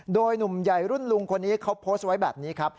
โดยหนุ่มใหญ่รุ่นลุงคนนี้เขาโพสต์ไว้แบบนี้ครับ